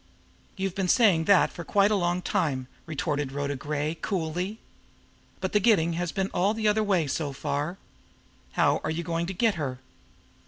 "You've been saying that for quite a long time," retorted Rhoda Gray coolly. "But the 'getting' has been all the other way so far. How are you going to get her?"